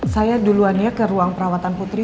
saya duluan ya ke ruang perawatan putri